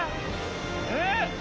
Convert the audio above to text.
えっ？